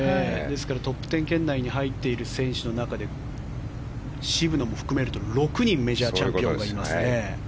トップ１０圏内に入っている選手の中で渋野も含めると６人メジャーチャンピオンがいます。